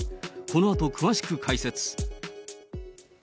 このあと、詳しく解説。